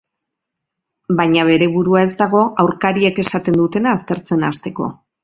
Baina bere burua ez dago aurkariek esaten dutena aztertzen hasteko.